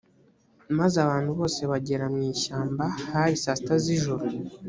maze abantu bose bagera mu ishyamba hari saa sita z’ijoro